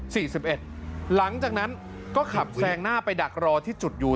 สี่สิบเอ็ดหลังจากนั้นก็ขับแซงหน้าไปดักรอที่จุดยู